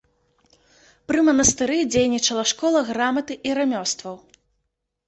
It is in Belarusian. Пры манастыры дзейнічала школа граматы і рамёстваў.